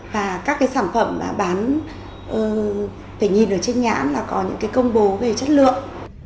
và các cái sản phẩm mà bán phải nhìn ở trên nhãn là có những cái công bố về chất lượng